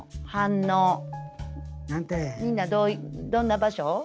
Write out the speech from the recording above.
みんなどんな場所？